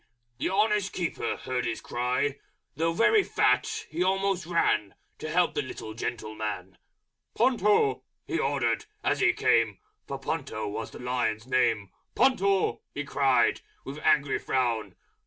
The Honest Keeper heard his cry, Though very fat he almost ran To help the little gentleman. "Ponto!" he ordered as he came (For Ponto was the Lion's name), "Ponto!" he cried, with angry Frown.